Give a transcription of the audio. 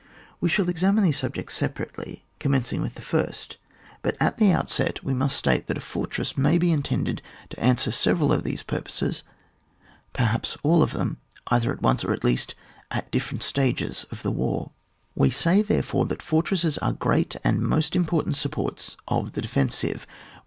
We shall examine these subjects separately, commencing with the first ; but at the outset we must state that a fortress may be intended to answer several of these purposes, perhaps all of them, either at once, or at least at different stages of the war. We say, therefore, that fortresses are great and most important supports of the defensive.